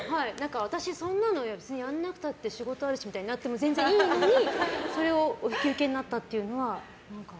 私、そんなのやらなくたって仕事あるしみたいになっても全然いいのに、それをお引き受けになったというのは。